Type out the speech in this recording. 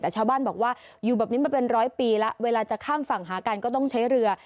แต่ชาวบ้านบอกว่าอยู่แบบนี้มาเป็นร้อยปีแล้วเวลาจะข้ามฝั่งหากันก็ต้องใช้เรือ